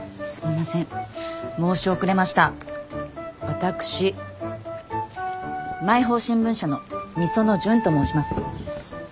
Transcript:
私毎報新聞社の御園純と申します。